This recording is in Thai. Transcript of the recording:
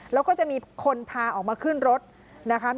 แล้วก็จะมีคนพาออกมาขึ้นรถนะคะ